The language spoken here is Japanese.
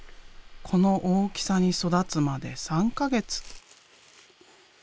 この大きさに育つまで３か月。